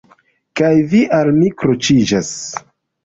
Kaj vi al mi kroĉiĝas.